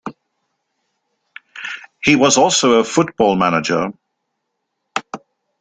He was also a football manager.